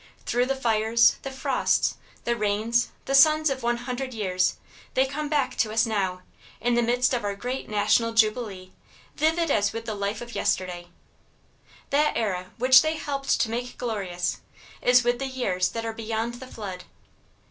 Through the fires, the frosts, the rains, the suns of one hundred years, they come back to us now, in the midst of our great national jubilee, vivid as with the life of yesterday. That era, which they helped to make glorious, is "with the years that are beyond the flood."